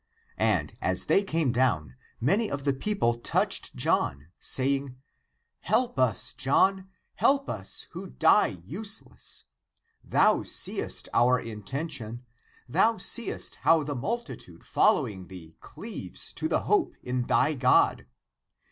And as they came down, many of the people touched John, say ing, " Help us, John, help us who die useless ! Thou seest our intention ; thou seest how the multi tude following thee cleaves to the hope in thy God.